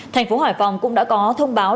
thành phố hải phòng cũng đã có thông báo